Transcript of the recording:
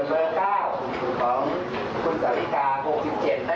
ส่วนเบอร์๙ของคุณสาวิกา๖๗แทบ